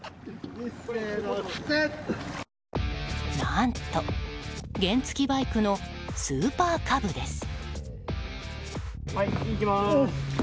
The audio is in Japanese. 何と、原付きバイクのスーパーカブです。